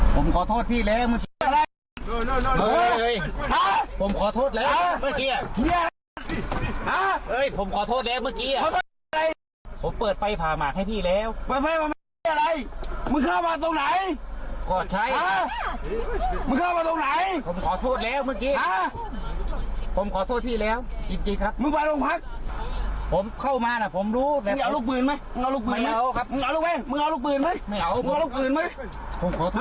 ผมขอโทษพี่แหละมึงโอ้โฮโอ้โฮโอ้โฮโอ้โฮโอ้โฮโอ้โฮโอ้โฮโอ้โฮโอ้โฮโอ้โฮโอ้โฮโอ้โฮโอ้โฮโอ้โฮโอ้โฮโอ้โฮโอ้โฮโอ้โฮโอ้โฮโอ้โฮโอ้โฮโอ้โฮโอ้โฮโอ้โฮโอ้โฮโอ้โฮโอ้โฮโอ้โฮโอ้โฮโอ้